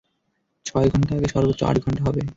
ছয় ঘন্টা আগে, সর্বোচ্চ আট ঘন্টা হবে।